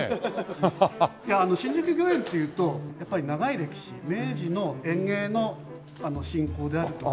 新宿御苑っていうとやっぱり長い歴史明治の園芸の振興であるとか。